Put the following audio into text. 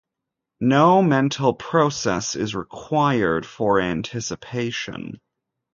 No mental process is required for anticipation.